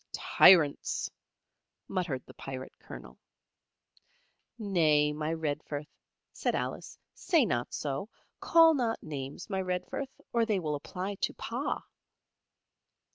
"Tyrants!" muttered the Pirate Colonel. "Nay, my Redforth," said Alice, "say not so. Call not names, my Redforth, or they will apply to Pa."